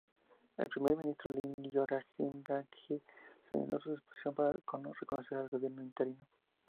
El primer ministro indio, Rajiv Gandhi, señaló su disposición para reconocer el gobierno interino.